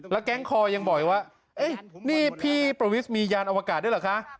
แก๊งคอยังบอกอีกว่านี่พี่ประวิทย์มียานอวกาศด้วยเหรอคะ